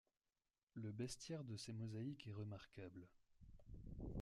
Le bestiaire de ces mosaïques est remarquable.